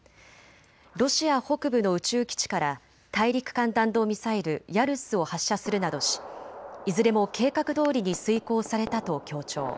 ロシア北部の宇宙基地から大陸間弾道ミサイル、ヤルスを発射するなどし、いずれも計画どおりに遂行されたと強調。